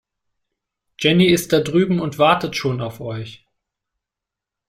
Jenny ist da drüben und wartet schon auf euch.